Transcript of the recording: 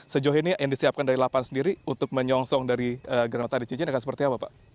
sejauh ini yang disiapkan dari lapan sendiri untuk menyongsong dari gerhana matahari cincin akan seperti apa pak